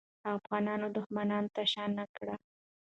افغانان دښمن ته شا نه کړه.